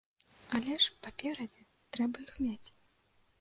Але ж, паперадзе, трэба іх мець.